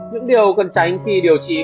những điều cần tránh khi điều trịnh